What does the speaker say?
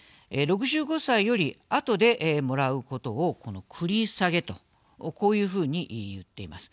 ６５歳より後でもらうことを繰り下げとこういうふうに言っています。